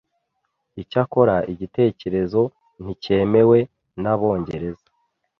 Icyakora, igitekerezo nticyemewe n’abongereza,